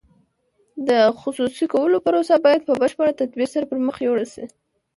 د خصوصي کولو پروسه باید په بشپړ تدبیر سره پرمخ یوړل شي.